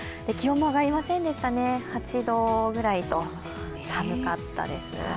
気温も上がりませんでしたね、８度ぐらいと寒かったです。